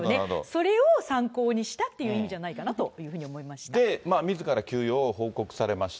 それを参考にしたっていう意味じゃないかなというふうに思いましみずから休養を報告されまし